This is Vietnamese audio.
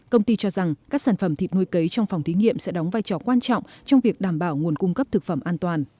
công ty cho rằng các sản phẩm thịt nuôi cấy trong phòng thí nghiệm sẽ đóng vai trò quan trọng trong việc đảm bảo nguồn cung cấp thực phẩm an toàn